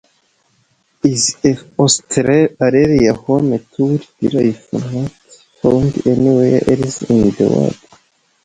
Is Australia home to wildlife not found anywhere else in the world?